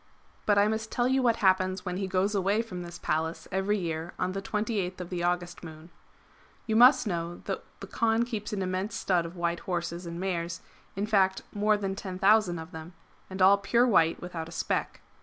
^ But I must tell you what happens when he goes away from this Palace every year on the 28th of the August [Moon]. You must know that the Kaan keeps an immense stud of white horses and mares ; in fact more than 10,000 of them, and all pure white without a speck.